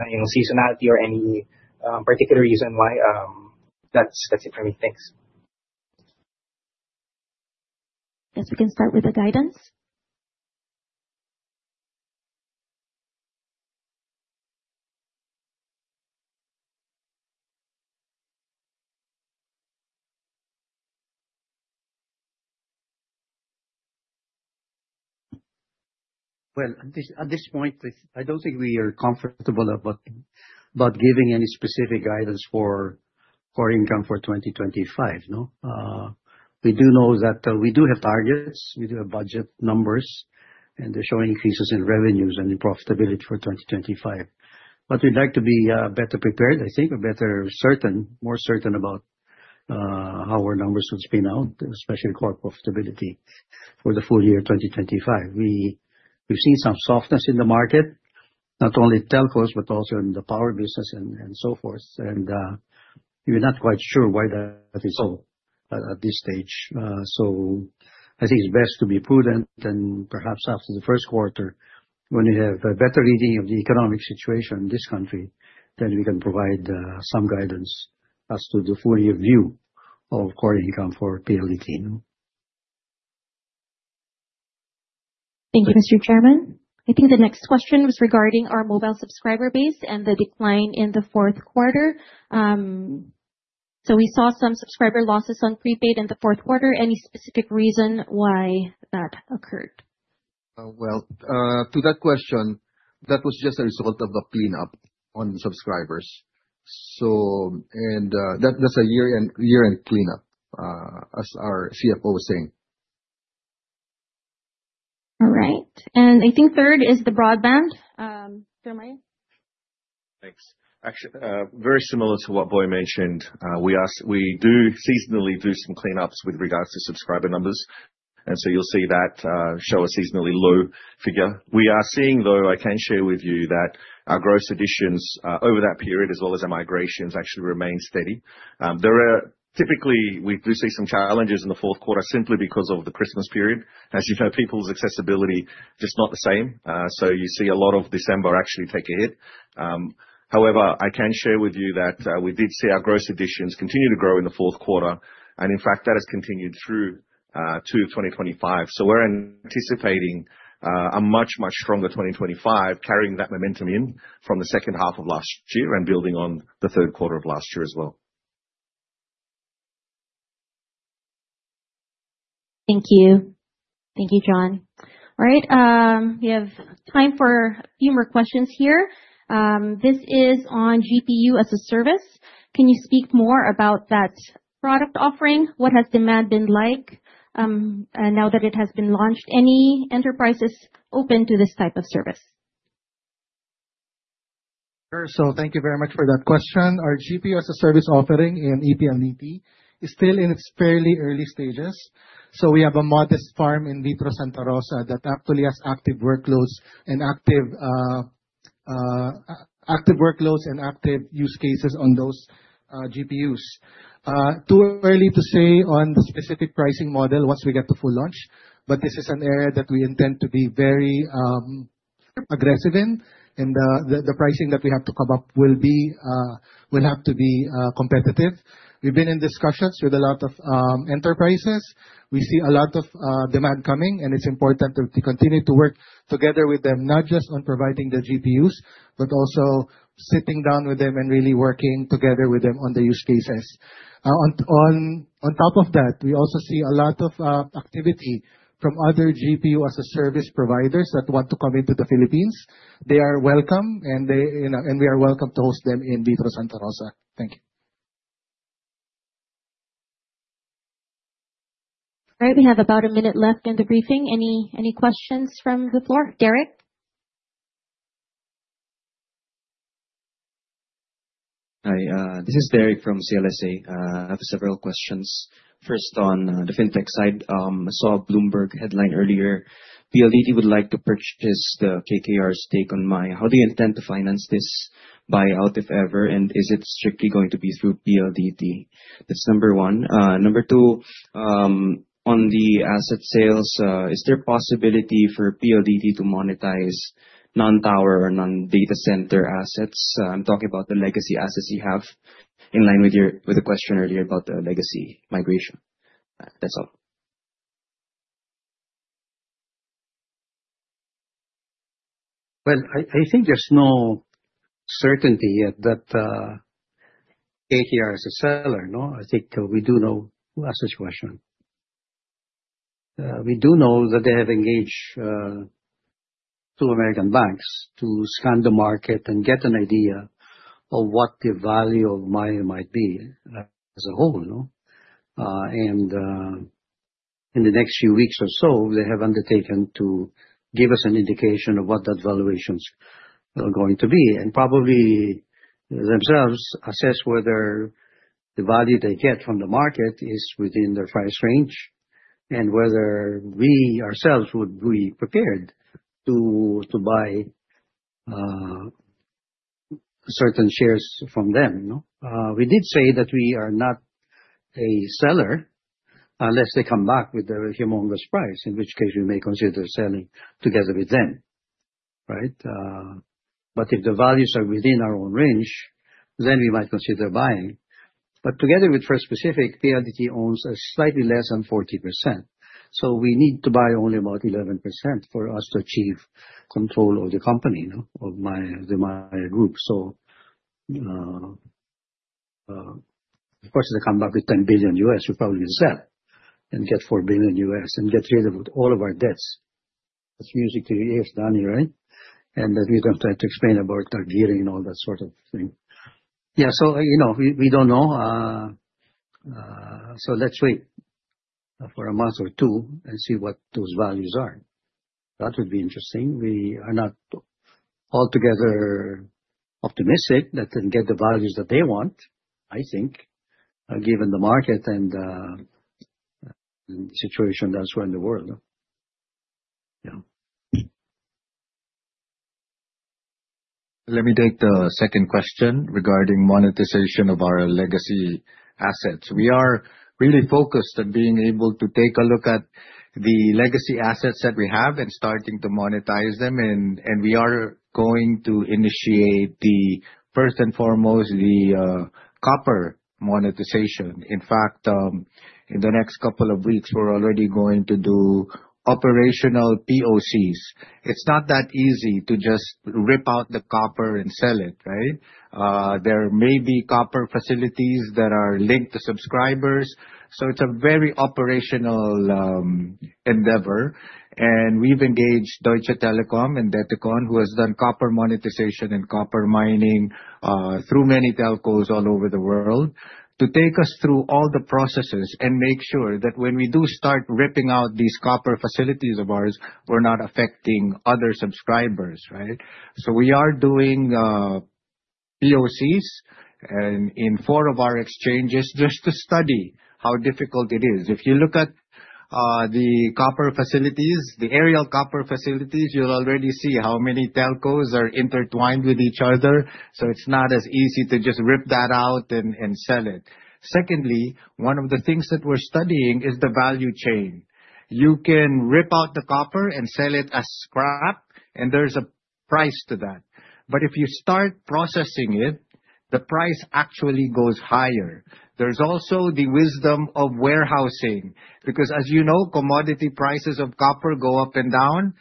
seasonality or any particular reason why? That's it for me. Thanks. Yes, we can start with the guidance. Well, at this point, I don't think we are comfortable about giving any specific guidance for income for 2025. We do know that we do have targets. We do have budget numbers, and they're showing increases in revenues and in profitability for 2025. But we'd like to be better prepared, I think, or better certain, more certain about how our numbers would spin out, especially core profitability for the full year 2025. We've seen some softness in the market, not only telcos but also in the power business and so forth. And we're not quite sure why that is so at this stage. So I think it's best to be prudent, and perhaps after the first quarter, when you have a better reading of the economic situation in this country, then we can provide some guidance as to the full year view of core income for PLDT. Thank you, Mr. Chairman. I think the next question was regarding our mobile subscriber base and the decline in the fourth quarter. So we saw some subscriber losses on prepaid in the fourth quarter. Any specific reason why that occurred? To that question, that was just a result of a cleanup on subscribers. That's a year-end cleanup, as our CFO was saying. All right. I think third is the broadband. Jeremiah. Thanks. Actually, very similar to what Boy mentioned. We do seasonally do some cleanups with regards to subscriber numbers. And so you'll see that show a seasonally low figure. We are seeing, though. I can share with you that our gross additions over that period, as well as our migrations, actually remain steady. Typically, we do see some challenges in the fourth quarter simply because of the Christmas period. As you know, people's accessibility is just not the same. So you see a lot of December actually take a hit. However, I can share with you that we did see our gross additions continue to grow in the fourth quarter. In fact, that has continued through Q2 of 2025. We're anticipating a much, much stronger 2025, carrying that momentum in from the second half of last year and building on the third quarter of last year as well. Thank you. Thank you, John. All right. We have time for a few more questions here. This is on GPU as a Service. Can you speak more about that product offering? What has demand been like now that it has been launched? Any enterprises open to this type of service? Sure. Thank you very much for that question. Our GPU as a Service offering in ePLDT is still in its fairly early stages. We have a modest farm in Vitro Santa Rosa that actually has active workloads and active use cases on those GPUs. Too early to say on the specific pricing model once we get to full launch, but this is an area that we intend to be very aggressive in. And the pricing that we have to come up will have to be competitive. We've been in discussions with a lot of enterprises. We see a lot of demand coming, and it's important to continue to work together with them, not just on providing the GPUs, but also sitting down with them and really working together with them on the use cases. On top of that, we also see a lot of activity from other GPU as a Service providers that want to come into the Philippines. They are welcome, and we are welcome to host them in Vitro Santa Rosa. Thank you. All right. We have about a minute left in the briefing. Any questions from the floor? Derek? Hi. This is Derek from CLSA. I have several questions. First, on the fintech side, I saw a Bloomberg headline earlier. PLDT would like to purchase the KKR stake in Maya. How do you intend to finance this buyout, if ever? And is it strictly going to be through PLDT? That's number one. Number two, on the asset sales, is there a possibility for PLDT to monetize non-tower or non-data center assets? I'm talking about the legacy assets you have in line with the question earlier about the legacy migration. That's all. Well, I think there's no certainty yet that KKR is a seller. I think we do know the situation. We do know that they have engaged two American banks to scan the market and get an idea of what the value of Maya might be as a whole. And in the next few weeks or so, they have undertaken to give us an indication of what that valuation is going to be. And probably themselves assess whether the value they get from the market is within their price range and whether we ourselves would be prepared to buy certain shares from them. We did say that we are not a seller unless they come back with a humongous price, in which case we may consider selling together with them, right? But if the values are within our own range, then we might consider buying. But together with First Pacific, PLDT owns slightly less than 40%. So we need to buy only about 11% for us to achieve control of the company of the Maya group. So of course, if they come back with $10 billion, we probably will sell and get $4 billion and get rid of all of our debts. That's music to your ears, Danny, right? And that we don't have to explain about our gearing and all that sort of thing. Yeah. So we don't know. So let's wait for a month or two and see what those values are. That would be interesting. We are not altogether optimistic that they'll get the values that they want, I think, given the market and the situation elsewhere in the world. Yeah. Let me take the second question regarding monetization of our legacy assets. We are really focused on being able to take a look at the legacy assets that we have and starting to monetize them. And we are going to initiate, first and foremost, the copper monetization. In fact, in the next couple of weeks, we're already going to do operational POCs. It's not that easy to just rip out the copper and sell it, right? There may be copper facilities that are linked to subscribers. So it's a very operational endeavor. And we've engaged Deutsche Telekom and Detecon, who has done copper monetization and copper mining through many telcos all over the world, to take us through all the processes and make sure that when we do start ripping out these copper facilities of ours, we're not affecting other subscribers, right? So we are doing POCs in four of our exchanges just to study how difficult it is. If you look at the copper facilities, the aerial copper facilities, you'll already see how many telcos are intertwined with each other. So it's not as easy to just rip that out and sell it. Secondly, one of the things that we're studying is the value chain. You can rip out the copper and sell it as scrap, and there's a price to that. But if you start processing it, the price actually goes higher. There's also the wisdom of warehousing because, as you know, commodity prices of copper go up and down.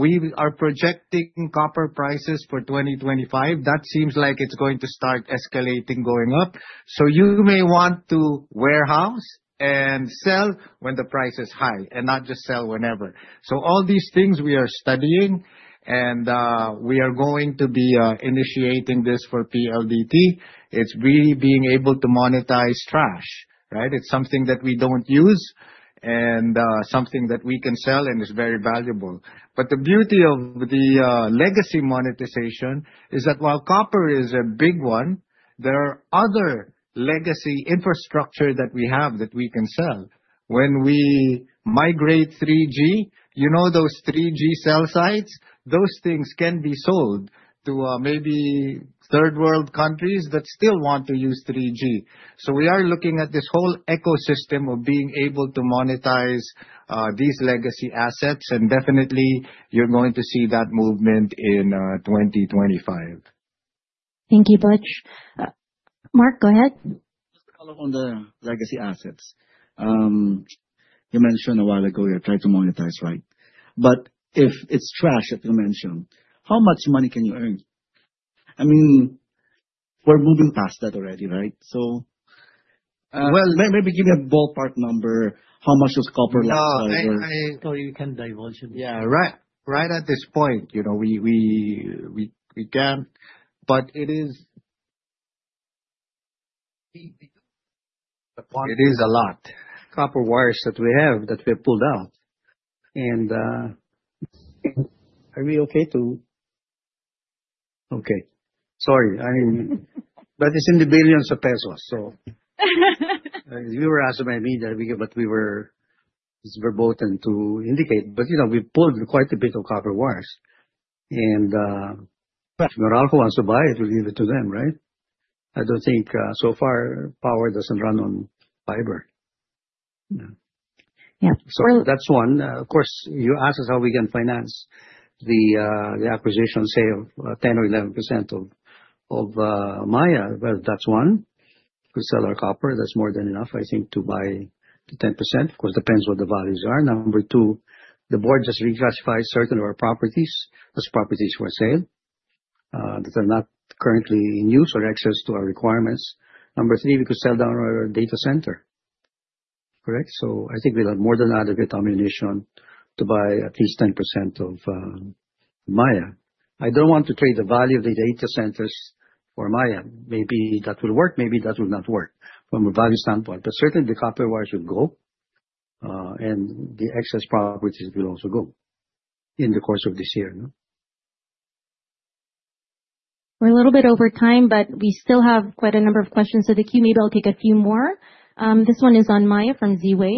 We are projecting copper prices for 2025. That seems like it's going to start escalating, going up. So you may want to warehouse and sell when the price is high and not just sell whenever. So all these things we are studying, and we are going to be initiating this for PLDT. It's really being able to monetize trash, right? It's something that we don't use and something that we can sell and is very valuable. But the beauty of the legacy monetization is that while copper is a big one, there are other legacy infrastructure that we have that we can sell. When we migrate 3G, you know those 3G cell sites, those things can be sold to maybe third-world countries that still want to use 3G. So we are looking at this whole ecosystem of being able to monetize these legacy assets. And definitely, you're going to see that movement in 2025. Thank you, Butch. Mark, go ahead. Just to follow on the legacy assets. You mentioned a while ago you're trying to monetize, right? But if it's trash, as you mentioned, how much money can you earn? I mean, we're moving past that already, right? So maybe give me a ballpark number, how much those copper lines are I thought you can divulge it. Yeah, right at this point, we can't. But it is a lot. Copper wires that we have that we have pulled out. Okay. Sorry. I mean, but it's in the billions of pesos. So you were asking me that, but we were verboten to indicate. But we pulled quite a bit of copper wires. And if Meralco wants to buy it, we'll give it to them, right? I don't think so far power doesn't run on fiber. Yeah. So that's one. Of course, you asked us how we can finance the acquisition, say, of 10 or 11% of Maya. That's one. We sell our copper. That's more than enough, I think, to buy the 10%. Of course, it depends what the values are. Number two, the board just reclassified certain of our properties as properties for sale that are not currently in use or excess to our requirements. Number three, we could sell down our data center. Correct? So I think we'll have more than adequate ammunition to buy at least 10% of Maya. I don't want to trade the value of the data centers for Maya. Maybe that will work. Maybe that will not work from a value standpoint. But certainly, the copper wires will go, and the excess properties will also go in the course of this year. We're a little bit over time, but we still have quite a number of questions. So the queue maybe I'll take a few more. This one is on Maya from Ziwei.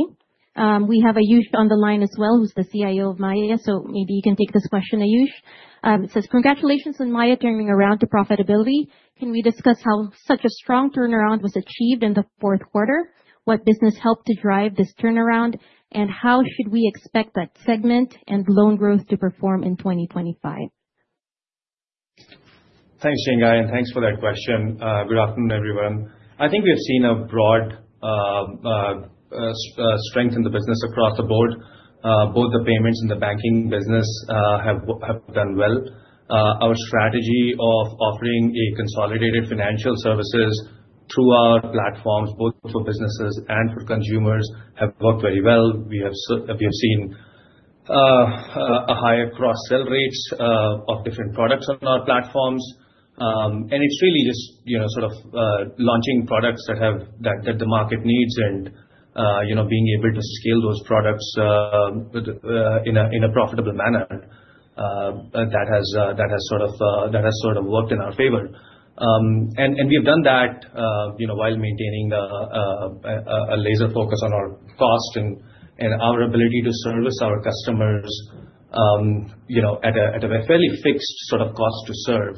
We have Ayush on the line as well, who's the CIO of Maya. So maybe you can take this question, Ayush. It says, "Congratulations on Maya turning around to profitability. Can we discuss how such a strong turnaround was achieved in the fourth quarter? What business helped to drive this turnaround? And how should we expect that segment and loan growth to perform in 2025?" Thanks, Jinggay. And thanks for that question. Good afternoon, everyone. I think we have seen a broad strength in the business across the board. Both the payments and the banking business have done well. Our strategy of offering a consolidated financial services through our platforms, both for businesses and for consumers, has worked very well. We have seen a higher cross-sell rates of different products on our platforms. And it's really just sort of launching products that the market needs and being able to scale those products in a profitable manner. That has sort of worked in our favor. And we have done that while maintaining a laser focus on our cost and our ability to service our customers at a fairly fixed sort of cost to serve,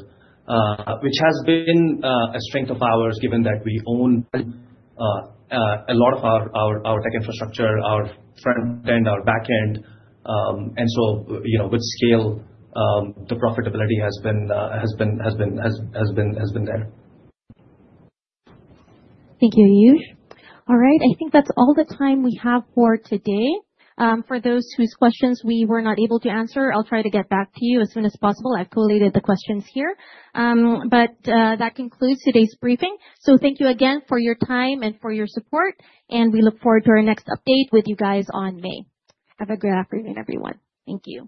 which has been a strength of ours, given that we own a lot of our tech infrastructure, our front end, our back end. And so with scale, the profitability has been there. Thank you, Ayush. All right. I think that's all the time we have for today. For those whose questions we were not able to answer, I'll try to get back to you as soon as possible. I've collated the questions here. But that concludes today's briefing. So thank you again for your time and for your support. And we look forward to our next update with you guys on May. Have a great afternoon, everyone. Thank you.